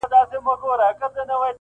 لا خو زما او د قاضي یوشان رتبه ده,